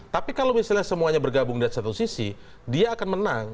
tapi kalau misalnya semuanya bergabung dari satu sisi dia akan menang